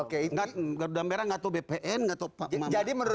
oke garuda merah tidak tahu bpn tidak tahu pemilu